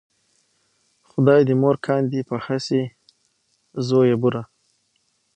خدای دې مور کاندې په هسې زویو بوره